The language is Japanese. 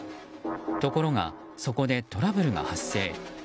ところがそこでトラブルが発生。